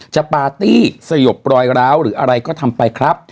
ปาร์ตี้สยบรอยร้าวหรืออะไรก็ทำไปครับ